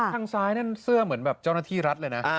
ทางซ้ายนั่นเสื้อเหมือนแบบเจ้าหน้าที่รัฐเลยนะ